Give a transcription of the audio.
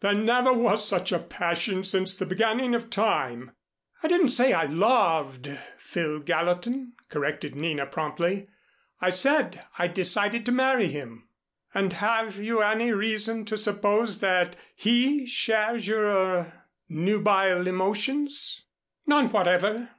There never was such a passion since the beginning of Time." "I didn't say I loved Phil Gallatin," corrected Nina promptly. "I said I'd decided to marry him." "And have you any reason to suppose that he shares your er nubile emotions?" "None whatever.